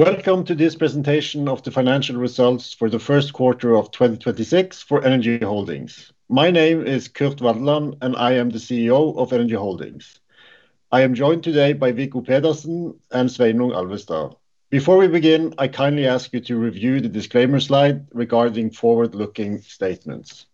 Welcome to this Presentation of the Financial Results for the First Quarter of 2026 for SED Energy Holdings. My name is Kurt Waldeland, I am the CEO of SED Energy Holdings. I am joined today by Viggo Pedersen and Sveinung Alvestad. Before we begin, I kindly ask you to review the disclaimer slide regarding forward-looking statements.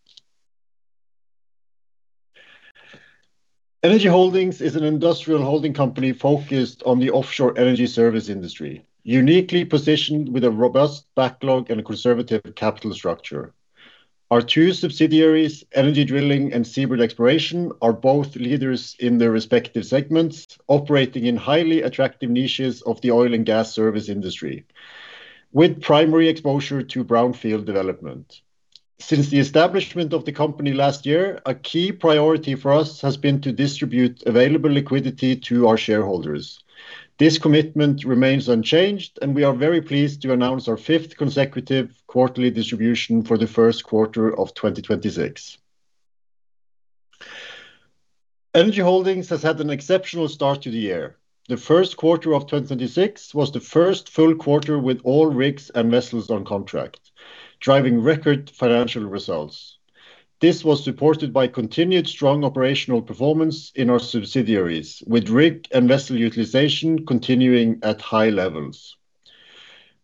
SED Energy Holdings is an industrial holding company focused on the offshore energy service industry, uniquely positioned with a robust backlog and a conservative capital structure. Our two subsidiaries, Energy Drilling and Seabird Exploration, are both leaders in their respective segments, operating in highly attractive niches of the oil and gas service industry, with primary exposure to brownfield development. Since the establishment of the company last year, a key priority for us has been to distribute available liquidity to our shareholders. This commitment remains unchanged, and we are very pleased to announce our fifth consecutive quarterly distribution for the first quarter of 2026. Energy Holdings has had an exceptional start to the year. The first quarter of 2026 was the first full quarter with all rigs and vessels on contract, driving record financial results. This was supported by continued strong operational performance in our subsidiaries, with rig and vessel utilization continuing at high levels.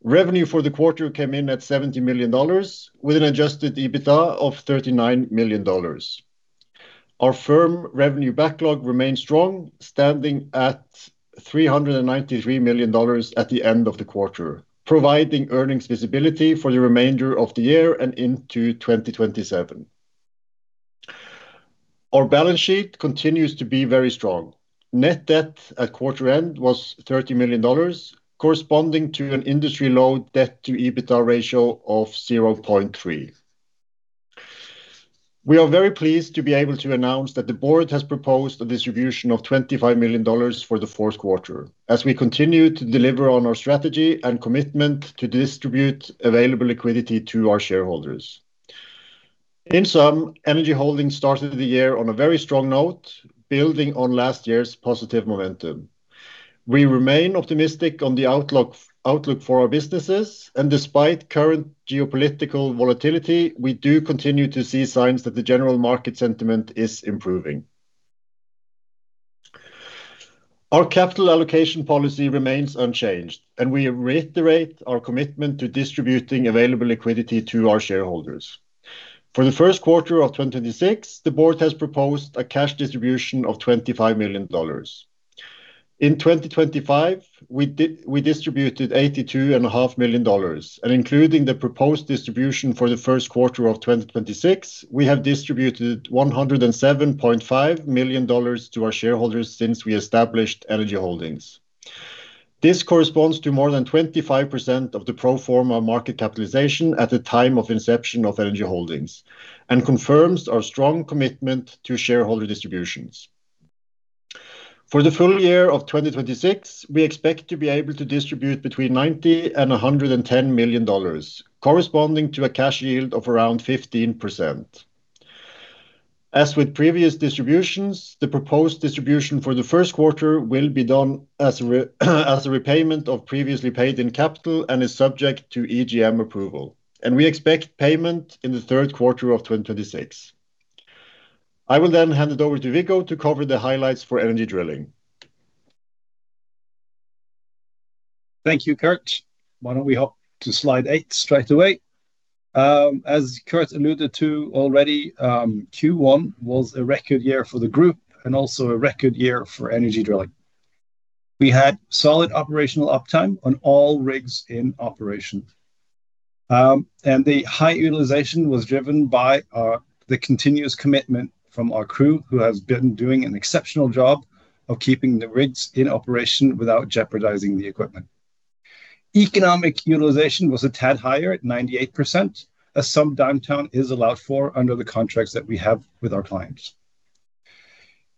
Revenue for the quarter came in at $70 million, with an Adjusted EBITDA of $39 million. Our firm revenue backlog remains strong, standing at $393 million at the end of the quarter, providing earnings visibility for the remainder of the year and into 2027. Our balance sheet continues to be very strong. Net debt at quarter end was $30 million, corresponding to an industry-low debt to EBITDA ratio of 0.3. We are very pleased to be able to announce that the board has proposed a distribution of $25 million for the fourth quarter, as we continue to deliver on our strategy and commitment to distribute available liquidity to our shareholders. In sum, SED Energy Holdings started the year on a very strong note, building on last year's positive momentum. We remain optimistic on the outlook for our businesses, and despite current geopolitical volatility, we do continue to see signs that the general market sentiment is improving. Our capital allocation policy remains unchanged, and we reiterate our commitment to distributing available liquidity to our shareholders. For the first quarter of 2026, the board has proposed a cash distribution of $25 million. In 2025, we distributed $82.5 million, and including the proposed distribution for the first quarter of 2026, we have distributed $107.5 million to our shareholders since we established SED Energy Holdings. This corresponds to more than 25% of the pro forma market capitalization at the time of inception of SED Energy Holdings and confirms our strong commitment to shareholder distributions. For the full year of 2026, we expect to be able to distribute between $90 million and $110 million, corresponding to a cash yield of around 15%. As with previous distributions, the proposed distribution for the first quarter will be done as a repayment of previously paid in capital and is subject to EGM approval, and we expect payment in the third quarter of 2026. I will then hand it over to Viggo to cover the highlights for Energy Drilling. Thank you, Kurt. Why don't we hop to slide eight straight away? As Kurt alluded to already, Q1 was a record year for the group and also a record year for Energy Drilling. We had solid operational uptime on all rigs in operation. The high utilization was driven by the continuous commitment from our crew, who has been doing an exceptional job of keeping the rigs in operation without jeopardizing the equipment. Economic utilization was a tad higher at 98%, as some downtime is allowed for under the contracts that we have with our clients.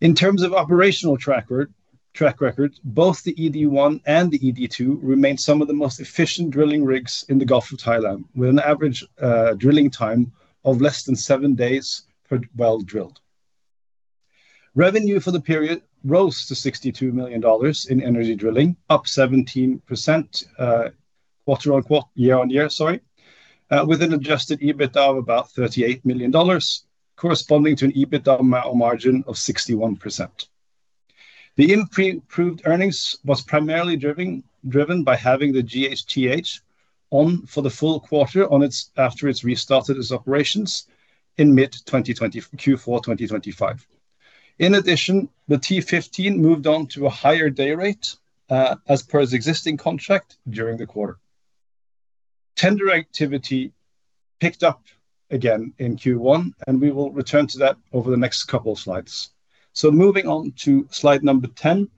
In terms of operational track record, both the EDrill-1 and the EDrill-2 remain some of the most efficient drilling rigs in the Gulf of Thailand, with an average drilling time of less than seven days per well drilled. Revenue for the period rose to $62 million in Energy Drilling, up 17% year-on-year, sorry, with an Adjusted EBITDA of about $38 million, corresponding to an EBITDA margin of 61%. The improved earnings was primarily driven by having the GHTH on for the full quarter after it restarted its operations in mid Q4 2025. In addition, the T-15 moved on to a higher day rate as per its existing contract during the quarter. Tender activity picked up again in Q1, and we will return to that over the next couple of slides. Moving on to slide number 10,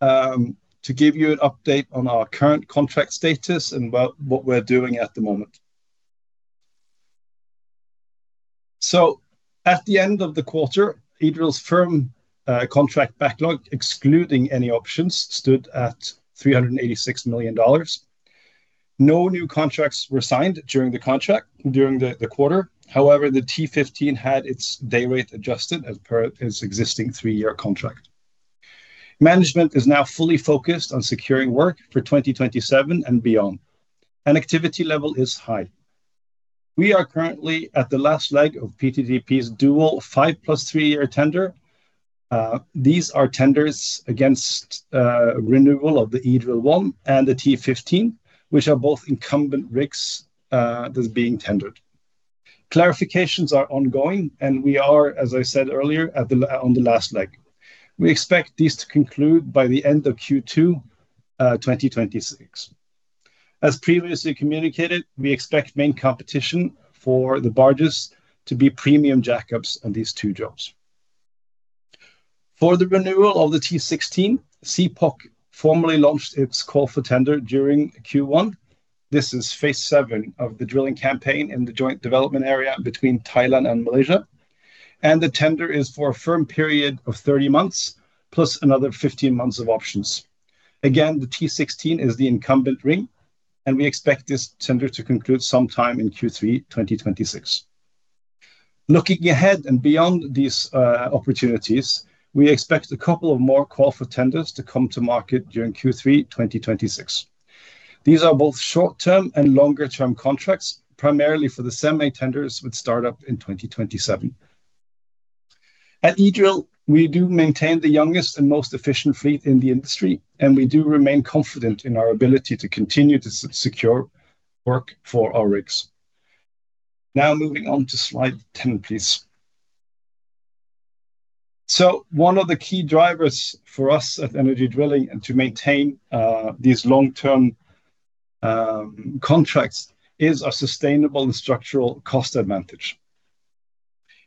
to give you an update on our current contract status and what we're doing at the moment. At the end of the quarter, EDrill's firm contract backlog, excluding any options, stood at $386 million. No new contracts were signed during the quarter. However, the T-15 had its day rate adjusted as per its existing three-year contract. Management is now fully focused on securing work for 2027 and beyond. Activity level is high. We are currently at the last leg of PTTEP's dual five-plus three year tender. These are tenders against renewal of the EDrill-1 and the T-15, which are both incumbent rigs that are being tendered. Clarifications are ongoing, and we are, as I said earlier, on the last leg. We expect these to conclude by the end of Q2 2026. As previously communicated, we expect main competition for the barges to be premium jack-ups on these two jobs. For the renewal of the T-16, CPOC formally launched its call for tender during Q1. This is phase 7 of the drilling campaign in the joint development area between Thailand and Malaysia. The tender is for a firm period of 30 months, plus another 15 months of options. Again, the T-16 is the incumbent rig. We expect this tender to conclude sometime in Q3 2026. Looking ahead beyond these opportunities, we expect a couple of more call for tenders to come to market during Q3 2026. These are both short-term and longer-term contracts, primarily for the semi tenders with startup in 2027. At EDrill, we do maintain the youngest and most efficient fleet in the industry. We do remain confident in our ability to continue to secure work for our rigs. Moving on to slide 10, please. One of the key drivers for us at Energy Drilling and to maintain these long-term contracts is a sustainable and structural cost advantage.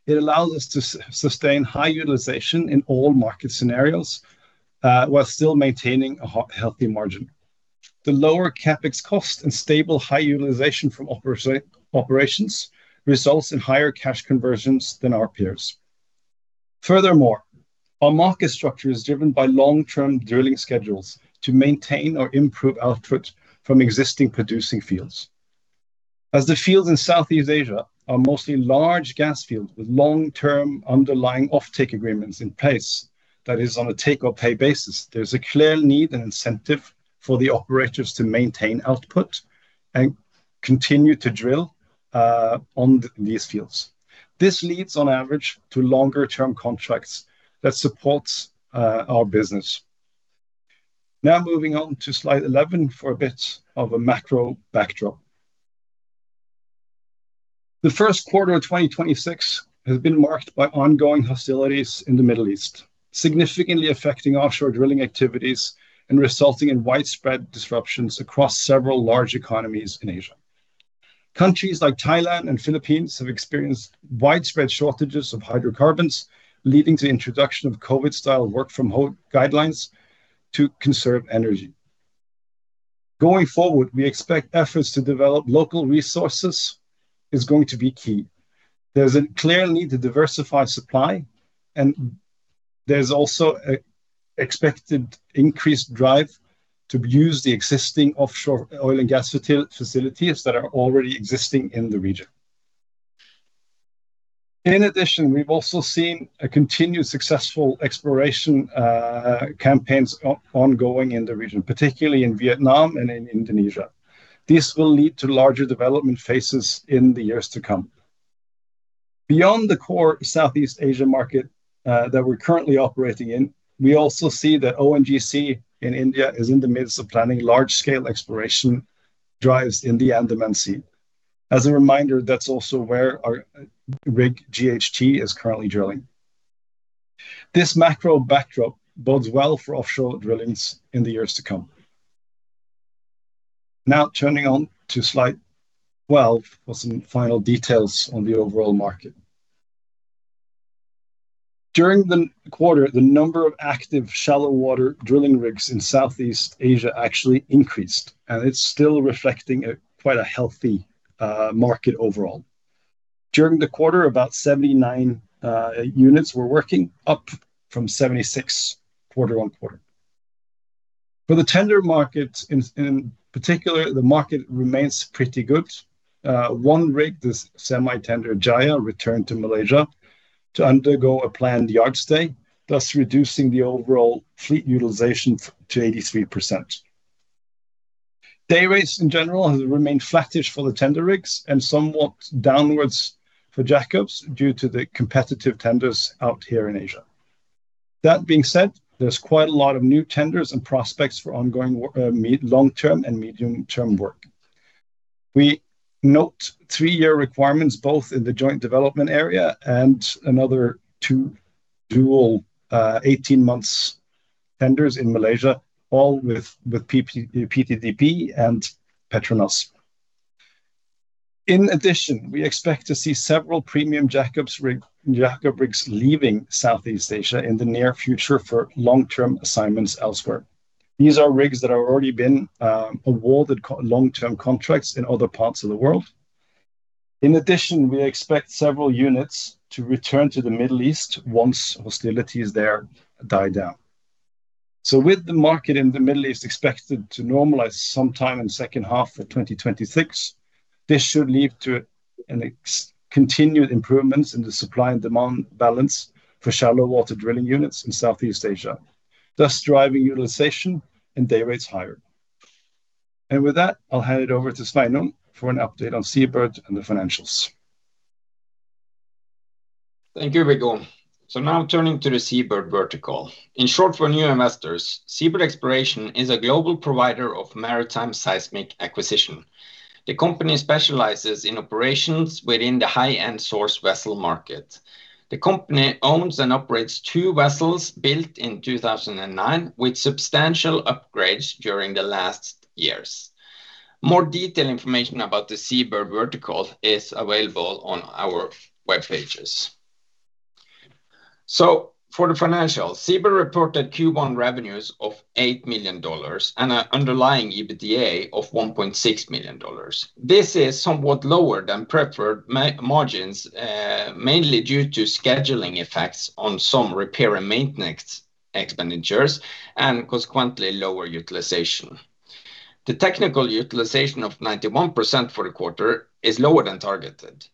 It allows us to sustain high utilization in all market scenarios, while still maintaining a healthy margin. The lower CapEx cost and stable high utilization from operations results in higher cash conversions than our peers. Furthermore, our market structure is driven by long-term drilling schedules to maintain or improve output from existing producing fields. As the fields in Southeast Asia are mostly large gas fields with long-term underlying offtake agreements in place, that is on a take or pay basis, there's a clear need and incentive for the operators to maintain output and continue to drill on these fields. This leads, on average, to longer-term contracts that supports our business. Moving on to slide 11 for a bit of a macro backdrop. The first quarter of 2026 has been marked by ongoing hostilities in the Middle East, significantly affecting offshore drilling activities and resulting in widespread disruptions across several large economies in Asia. Countries like Thailand and Philippines have experienced widespread shortages of hydrocarbons, leading to introduction of COVID-style work from home guidelines to conserve energy. Going forward, we expect efforts to develop local resources is going to be key. There's a clear need to diversify supply, and there's also expected increased drive to use the existing offshore oil and gas facilities that are already existing in the region. In addition, we've also seen a continued successful exploration campaigns ongoing in the region, particularly in Vietnam and in Indonesia. This will lead to larger development phases in the years to come. Beyond the core Southeast Asia market that we're currently operating in, we also see that ONGC in India is in the midst of planning large scale exploration drives in the Andaman Sea. As a reminder, that's also where our rig GHTH is currently drilling. This macro backdrop bodes well for offshore drillings in the years to come. Now turning on to slide 12 for some final details on the overall market. During the quarter, the number of active shallow water drilling rigs in Southeast Asia actually increased, and it's still reflecting quite a healthy market overall. During the quarter, about 79 units were working, up from 76 quarter-on-quarter. For the tender market, in particular, the market remains pretty good. One rig, the semi tender Jaya, returned to Malaysia to undergo a planned yard stay, thus reducing the overall fleet utilization to 83%. Day rates, in general, have remained flattish for the tender rigs and somewhat downwards for jack-ups due to the competitive tenders out here in Asia. That being said, there's quite a lot of new tenders and prospects for ongoing long-term and medium-term work. We note three-year requirements both in the joint development area and another two dual 18 months tenders in Malaysia, all with PTTEP and PETRONAS. In addition, we expect to see several premium jack-up rigs leaving Southeast Asia in the near future for long-term assignments elsewhere. These are rigs that have already been awarded long-term contracts in other parts of the world. In addition, we expect several units to return to the Middle East once hostilities there die down. With the market in the Middle East expected to normalize sometime in the second half of 2026, this should lead to continued improvements in the supply and demand balance for shallow water drilling units in Southeast Asia, thus driving utilization and day rates higher. With that, I'll hand it over to Sveinung for an update on Seabird and the financials. Thank you, Viggo. Now turning to the Seabird vertical. In short for new investors, Seabird Exploration is a global provider of maritime seismic acquisition. The company specializes in operations within the high-end source vessel market. The company owns and operates two vessels built in 2009 with substantial upgrades during the last years. More detailed information about the Seabird vertical is available on our web pages. For the financials, Seabird reported Q1 revenues of $8 million and an underlying EBITDA of $1.6 million. This is somewhat lower than preferred margins, mainly due to scheduling effects on some repair and maintenance expenditures and consequently lower utilization. The technical utilization of 91% for the quarter is lower than targeted.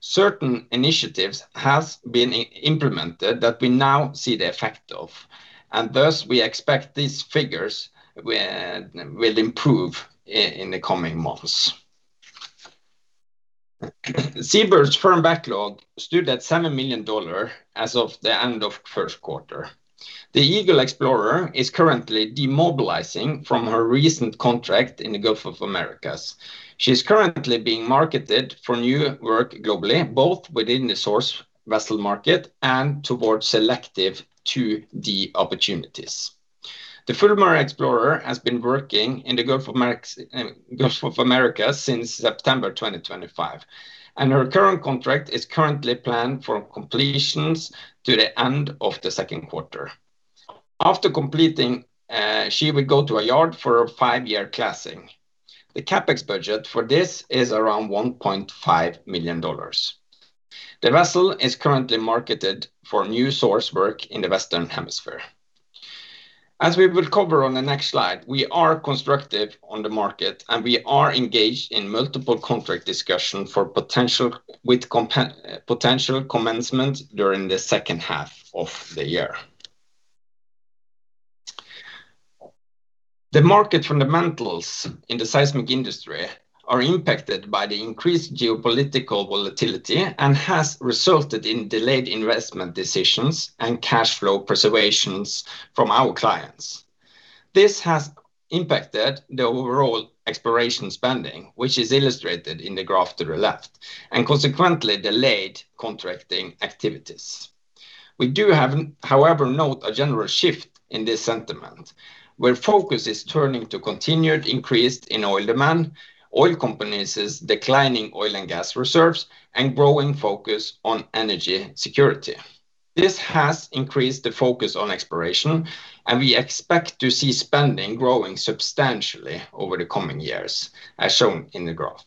Certain initiatives have been implemented that we now see the effect of, and thus we expect these figures will improve in the coming months. Seabird's firm backlog stood at $7 million as of the end of first quarter. The Eagle Explorer is currently demobilizing from her recent contract in the Gulf of America. She's currently being marketed for new work globally, both within the source vessel market and towards selective 2D opportunities. The Fulmar Explorer has been working in the Gulf of America since September 2025, and her current contract is currently planned for completions to the end of the second quarter. After completing, she will go to a yard for a five-year classing. The CapEx budget for this is around $1.5 million. The vessel is currently marketed for new source work in the Western Hemisphere. As we will cover on the next slide, we are constructive on the market, and we are engaged in multiple contract discussions with potential commencement during the second half of the year. The market fundamentals in the seismic industry are impacted by the increased geopolitical volatility and has resulted in delayed investment decisions and cash flow preservations from our clients. This has impacted the overall exploration spending, which is illustrated in the graph to the left, and consequently delayed contracting activities. We do, however, note a general shift in this sentiment, where focus is turning to continued increase in oil demand, oil companies' declining oil and gas reserves, and growing focus on energy security. This has increased the focus on exploration, and we expect to see spending growing substantially over the coming years, as shown in the graph.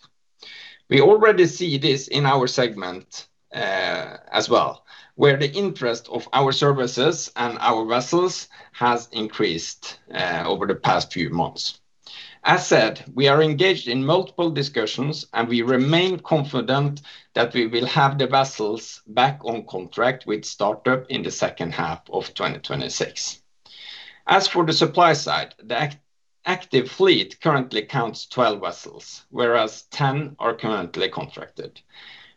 We already see this in our segment as well, where the interest of our services and our vessels has increased over the past few months. As said, we are engaged in multiple discussions, and we remain confident that we will have the vessels back on contract with startup in the second half of 2026. As for the supply side, the active fleet currently counts 12 vessels, whereas 10 are currently contracted.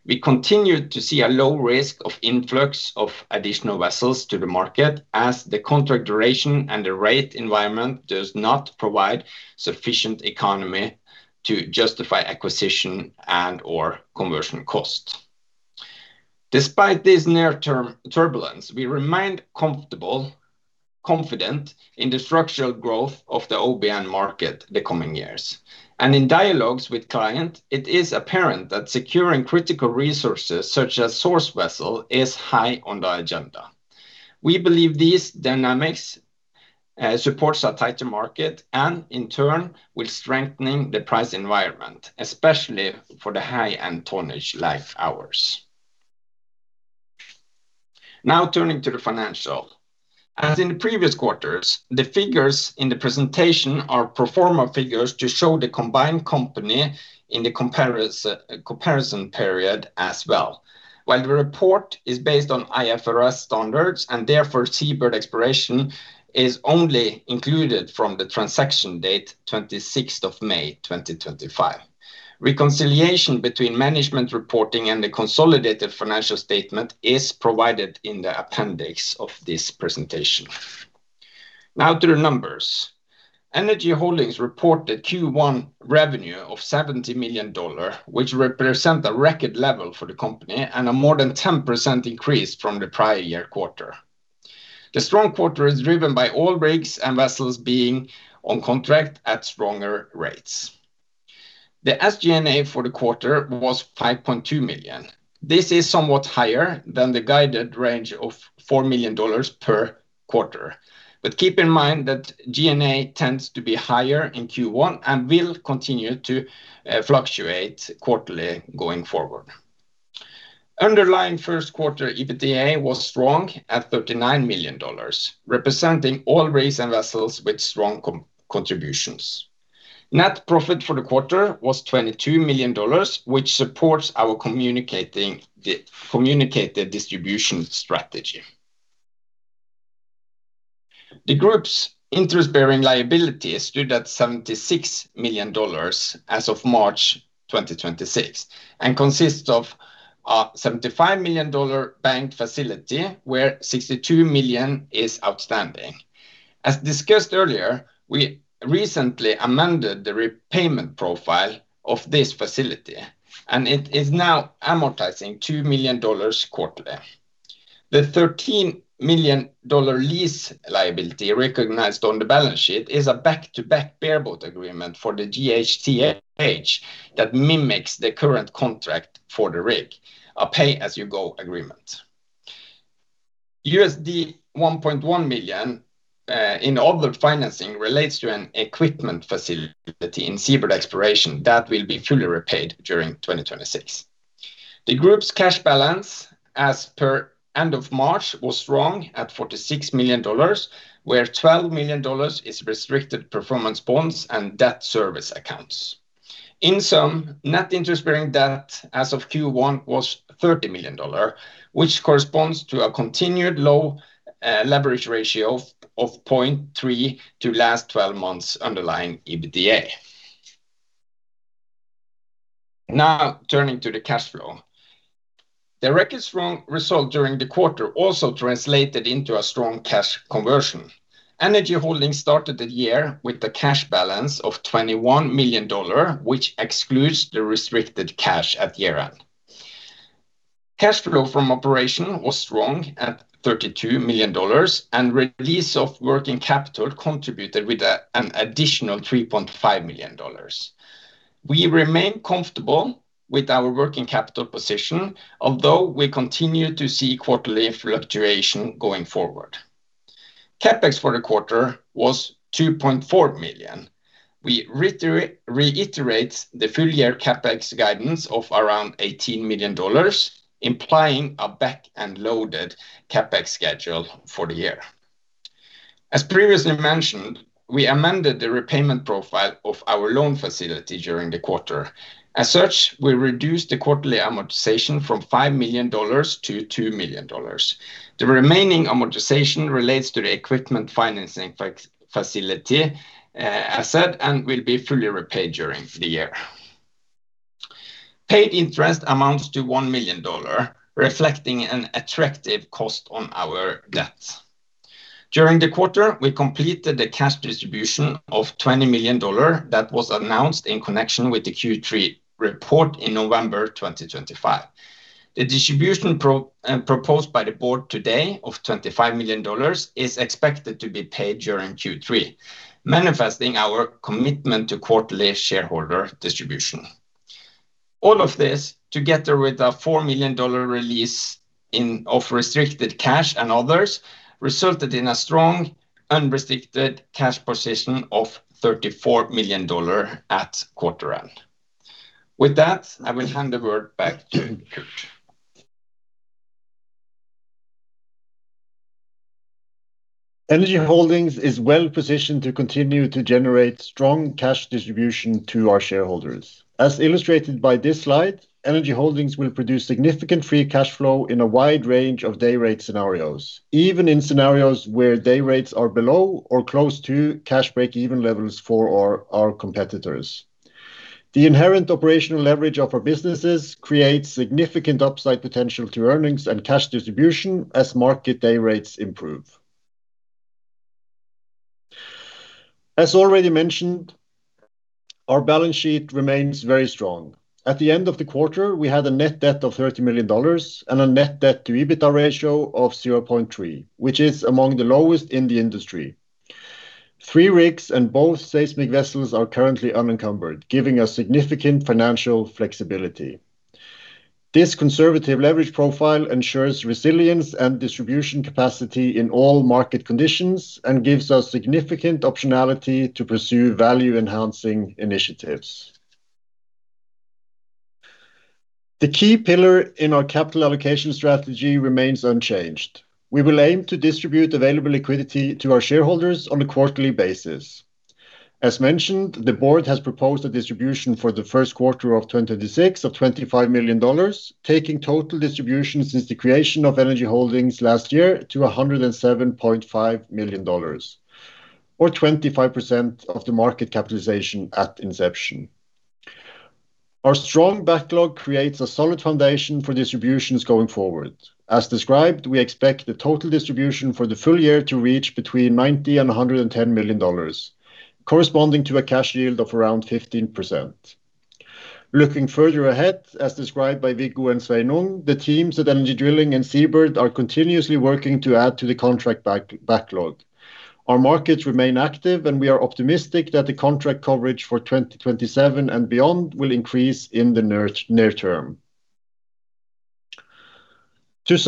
We continue to see a low risk of influx of additional vessels to the market as the contract duration and the rate environment does not provide sufficient economy to justify acquisition and/or conversion cost. Despite this near-term turbulence, we remain confident in the structural growth of the OBN market the coming years. In dialogues with clients, it is apparent that securing critical resources such as source vessel is high on the agenda. We believe these dynamics supports a tighter market and, in turn, will strengthen the price environment, especially for the high-end tonnage life hours. Now turning to the financial. As in the previous quarters, the figures in the presentation are pro forma figures to show the combined company in the comparison period as well. The report is based on IFRS standards, and therefore Seabird Exploration is only included from the transaction date 26th of May 2025. Reconciliation between management reporting and the consolidated financial statement is provided in the appendix of this presentation. Now to the numbers. SED Energy Holdings reported Q1 revenue of $70 million, which represent a record level for the company and a more than 10% increase from the prior year quarter. The strong quarter is driven by all rigs and vessels being on contract at stronger rates. The SG&A for the quarter was $5.2 million. This is somewhat higher than the guided range of $4 million per quarter. Keep in mind that G&A tends to be higher in Q1 and will continue to fluctuate quarterly going forward. Underlying first quarter EBITDA was strong at $39 million, representing all rigs and vessels with strong contributions. Net profit for the quarter was $22 million, which supports our communicated distribution strategy. The group's interest-bearing liabilities stood at $76 million as of March 2026, and consists of a $75 million bank facility where $62 million is outstanding. As discussed earlier, we recently amended the repayment profile of this facility, and it is now amortizing $2 million quarterly. The $13 million lease liability recognized on the balance sheet is a back-to-back bareboat agreement for the GHTH that mimics the current contract for the rig, a pay-as-you-go agreement. $1.1 million in other financing relates to an equipment facility in Seabird Exploration that will be fully repaid during 2026. The group's cash balance as per end of March was strong at $46 million, where $12 million is restricted performance bonds and debt service accounts. In sum, net interest-bearing debt as of Q1 was $30 million, which corresponds to a continued low leverage ratio of 0.3 to last 12 months underlying EBITDA. Now turning to the cash flow. The record strong result during the quarter also translated into a strong cash conversion. Energy Holdings started the year with the cash balance of $21 million, which excludes the restricted cash at year-end. Cash flow from operation was strong at $32 million, and release of working capital contributed with an additional $3.5 million. We remain comfortable with our working capital position, although we continue to see quarterly fluctuation going forward. CapEx for the quarter was $2.4 million. We reiterate the full-year CapEx guidance of around $18 million, implying a back and loaded CapEx schedule for the year. As previously mentioned, we amended the repayment profile of our loan facility during the quarter. As such, we reduced the quarterly amortization from $5 million to $2 million. The remaining amortization relates to the equipment financing facility asset and will be fully repaid during the year. Paid interest amounts to $1 million, reflecting an attractive cost on our debt. During the quarter, we completed the cash distribution of $20 million that was announced in connection with the Q3 report in November 2025. The distribution proposed by the board today of $25 million is expected to be paid during Q3, manifesting our commitment to quarterly shareholder distribution. All of this, together with a $4 million release of restricted cash and others, resulted in a strong unrestricted cash position of $34 million at quarter end. With that, I will hand the word back to Kurt. Energy Holdings is well-positioned to continue to generate strong cash distribution to our shareholders. As illustrated by this slide, Energy Holdings will produce significant free cash flow in a wide range of day rate scenarios, even in scenarios where day rates are below or close to cash breakeven levels for our competitors. The inherent operational leverage of our businesses creates significant upside potential to earnings and cash distribution as market day rates improve. As already mentioned, our balance sheet remains very strong. At the end of the quarter, we had a net debt of $30 million and a net debt to EBITDA ratio of 0.3, which is among the lowest in the industry. Three rigs and both seismic vessels are currently unencumbered, giving us significant financial flexibility. This conservative leverage profile ensures resilience and distribution capacity in all market conditions and gives us significant optionality to pursue value-enhancing initiatives. The key pillar in our capital allocation strategy remains unchanged. We will aim to distribute available liquidity to our shareholders on a quarterly basis. As mentioned, the board has proposed a distribution for the first quarter of 2026 of $25 million, taking total distribution since the creation of SED Energy Holdings last year to $107.5 million, or 25% of the market capitalization at inception. Our strong backlog creates a solid foundation for distributions going forward. As described, we expect the total distribution for the full year to reach between $90 million and $110 million, corresponding to a cash yield of around 15%. Looking further ahead, as described by Viggo and Sveinung, the teams at Energy Drilling and Seabird are continuously working to add to the contract backlog. Our markets remain active. We are optimistic that the contract coverage for 2027 and beyond will increase in the near term. To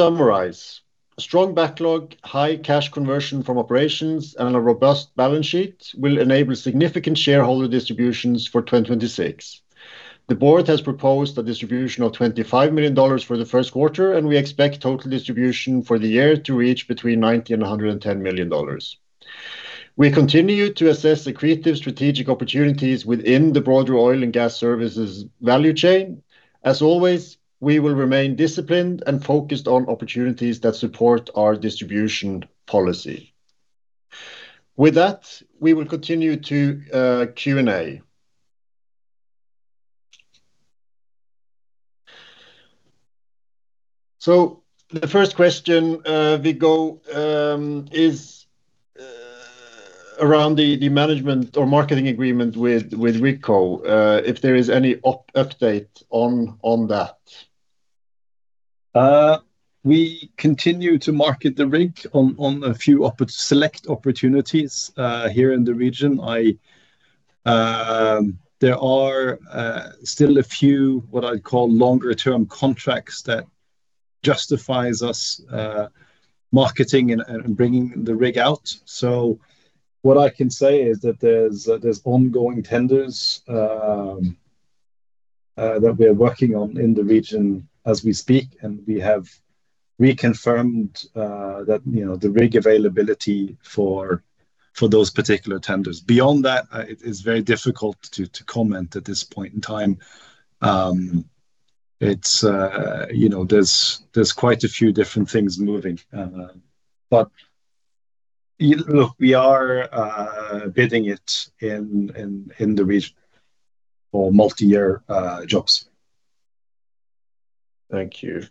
summarize, strong backlog, high cash conversion from operations, and a robust balance sheet will enable significant shareholder distributions for 2026. The board has proposed a distribution of $25 million for the first quarter, and we expect total distribution for the year to reach between $90 million and $110 million. We continue to assess accretive strategic opportunities within the broader oil and gas services value chain. As always, we will remain disciplined and focused on opportunities that support our distribution policy. With that, we will continue to Q&A. The first question, Viggo, is around the management or marketing agreement with RigCo, if there is any update on that. We continue to market the rig on a few select opportunities here in the region. There are still a few, what I'd call longer-term contracts that justifies us marketing and bringing the rig out. What I can say is that there's ongoing tenders that we are working on in the region as we speak, and we have reconfirmed the rig availability for those particular tenders. Beyond that, it is very difficult to comment at this point in time. There's quite a few different things moving. We are bidding it in the region for multi-year jobs. Thank you.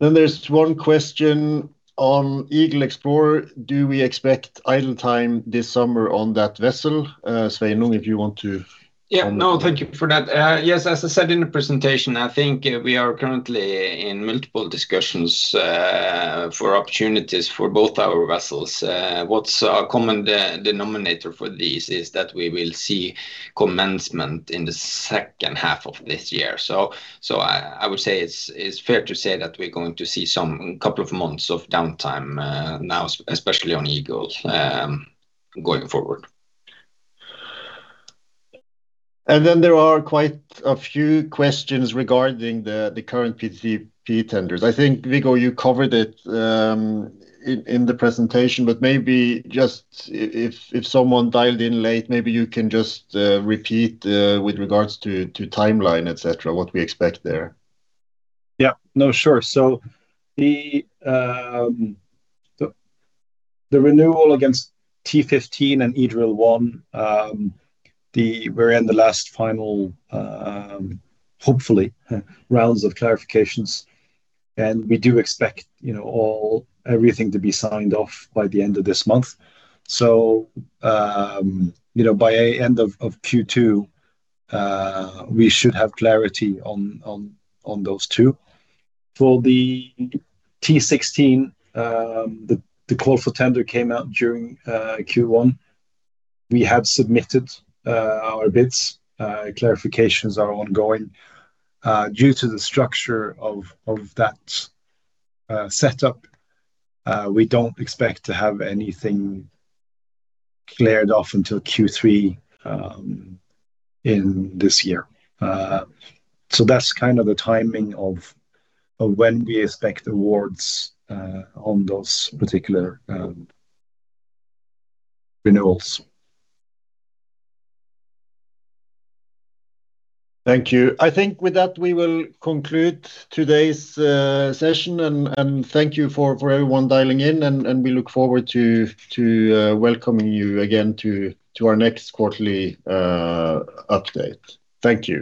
There's one question on Eagle Explorer. Do we expect idle time this summer on that vessel? Sveinung. Yeah. No, thank you for that. Yes, as I said in the presentation, I think we are currently in multiple discussions for opportunities for both our vessels. What's our common denominator for these is that we will see commencement in the second half of this year. I would say it's fair to say that we're going to see some couple of months of downtime now, especially on Eagle Explorer going forward. There are quite a few questions regarding the current PTTEP tenders. I think, Viggo, you covered it in the presentation, but maybe just if someone dialed in late, maybe you can just repeat, with regards to timeline, et cetera, what we expect there. Yeah. No, sure. The renewal against T15 and EDrill-1, we're in the last final, hopefully, rounds of clarifications, and we do expect everything to be signed off by the end of this month. By end of Q2, we should have clarity on those two. For the T16, the call for tender came out during Q1. We have submitted our bids. Clarifications are ongoing. Due to the structure of that setup, we don't expect to have anything cleared off until Q3 in this year. That's kind of the timing of when we expect awards on those particular renewals. Thank you. I think with that, we will conclude today's session, and thank you for everyone dialing in, and we look forward to welcoming you again to our next quarterly update. Thank you.